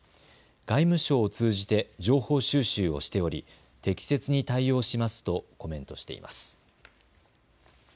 外務省を通じて情報収集をしており適切に対応しますとコメントしています。